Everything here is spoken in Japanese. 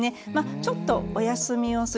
ちょっと、お休みをする。